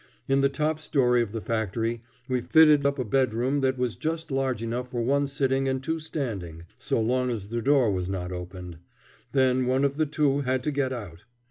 In the top story of the factory we fitted up a bedroom that was just large enough for one sitting and two standing, so long as the door was not opened; then one of the two had to get out.